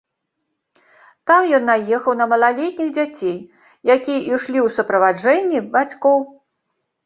Там ён наехаў на малалетніх дзяцей, якія ішлі ў суправаджэнні бацькоў.